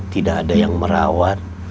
tidak ada yang merawat